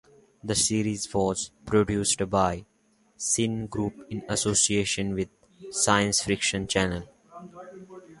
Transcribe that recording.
The series was produced by CineGroupe in association with the Sci Fi Channel.